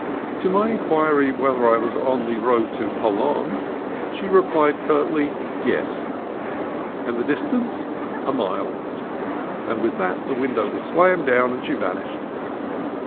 To my inquiry whether I was on the road to Jolon, she replied curtly, " Yes." "And the distance?" "A mile." With that the win dow was slammed down and she vanished.